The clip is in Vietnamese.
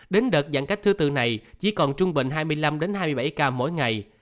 đến đợt giãn cách thứ tư này chỉ còn trung bình hai mươi năm hai mươi bảy ca mỗi ngày